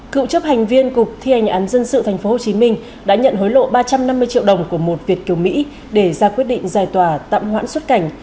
cựu chấp hành viên cục thi hành án dân sự tp hcm đã nhận hối lộ ba trăm năm mươi triệu đồng của một việt kiều mỹ để ra quyết định giải tòa tạm hoãn xuất cảnh